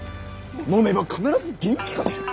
飲めば必ず元気が出る！